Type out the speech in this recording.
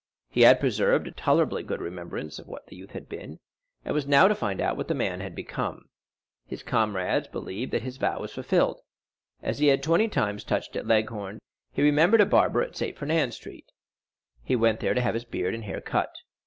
He had preserved a tolerably good remembrance of what the youth had been, and was now to find out what the man had become. His comrades believed that his vow was fulfilled. As he had twenty times touched at Leghorn, he remembered a barber in St. Ferdinand Street; he went there to have his beard and hair cut.